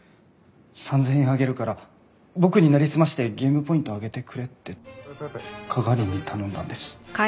３０００円あげるから僕になりすましてゲームポイント上げてくれってカガーリンに頼んだんです。